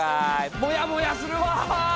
もやもやするわ！